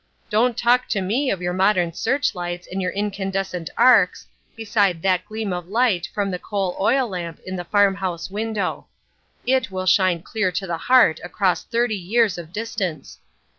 Don't talk to me of your modern searchlights and your incandescent arcs, beside that gleam of light from the coal oil lamp in the farmhouse window. It will shine clear to the heart across thirty years of distance.